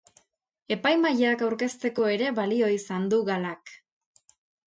Epaimahaiak aurkezteko ere balio izan du galak.